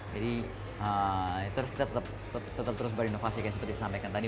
jadi kita tetap terus berinovasi seperti disampaikan tadi